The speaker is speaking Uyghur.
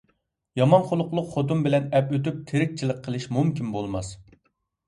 يامان خۇلقلۇق خوتۇن بىلەن ئەپ ئۆتۈپ تىرىكچىلىك قىلىش مۇمكىن بولماس!